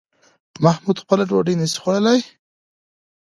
محمود خپله ډوډۍ نشي خوړلی